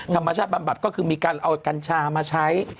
ธรรมชาติบำบัดก็คือมีการเอากัญชามาใช้